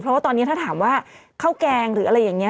เพราะว่าตอนนี้ถ้าถามว่าข้าวแกงหรืออะไรอย่างนี้